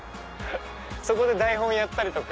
そこで台本やったりとか。